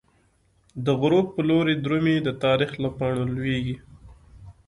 دغروب په لوری درومی، د تاریخ له پاڼو لویږی